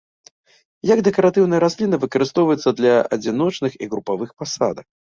Як дэкаратыўная расліна выкарыстоўваецца для адзіночных і групавых пасадак.